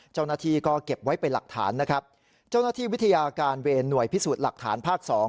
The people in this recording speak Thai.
เจ้าหน้าที่ก็เก็บไว้เป็นหลักฐาน